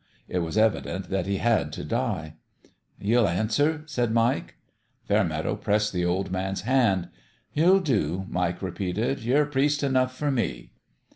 It was evident that he had to die. " Ye'll answer," said Mike. Fairmeadow pressed the old man's hand. " Ye'll do," Mike repeated. " Ye're priest enough for me."